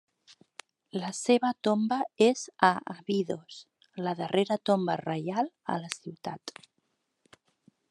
La seva tomba és a Abidos, la darrera tomba reial a la ciutat.